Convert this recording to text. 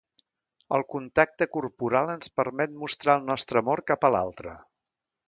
El contacte corporal ens permet mostrar el nostre amor cap a l'altre.